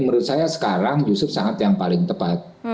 menurut saya sekarang justru sangat yang paling tepat